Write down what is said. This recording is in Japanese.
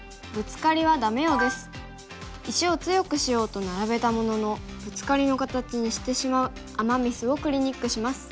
石を強くしようと並べたもののブツカリの形にしてしまうアマ・ミスをクリニックします。